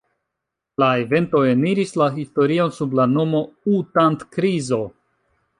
La eventoj eniris la historion sub la nomo „U-Thant-krizo“.